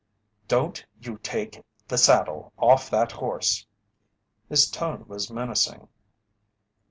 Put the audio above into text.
"Don't you take the saddle off that horse!" His tone was menacing.